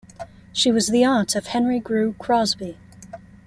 She was the aunt of Henry Grew Crosby.